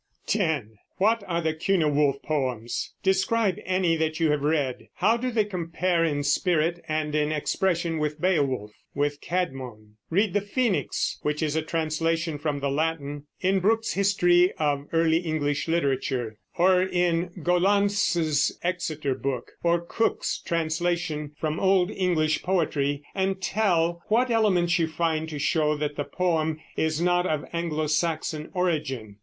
_ 10. What are the Cynewulf poems? Describe any that you have read. How do they compare in spirit and in expression with Beowulf? with Cædmon? Read The Phoenix (which is a translation from the Latin) in Brooke's History of Early English Literature, or in Gollancz's Exeter Book, or in Cook's Translations from Old English Poetry, and tell what elements you find to show that the poem is not of Anglo Saxon origin.